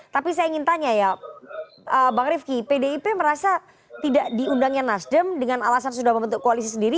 tapi saya ingin tanya ya bang rifki pdip merasa tidak diundangnya nasdem dengan alasan sudah membentuk koalisi sendiri